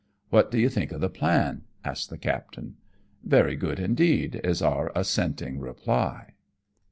What do you think of the plan,'' asks the captain. " Very good indeed," is our assenting reply.